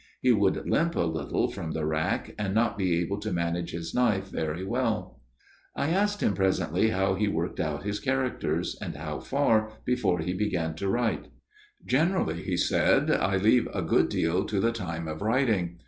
He would limp a little, from the rack, and not be able to manage his knife very well/ FATHER MADDOX'S TALE 225 " I asked him presently how he worked out his characters and how far before he began to write. "' Generally/ he said, ' I leave a good deal to the time of writing.